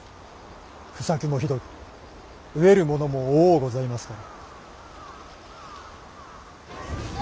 不作もひどく飢えるものも多うございますから。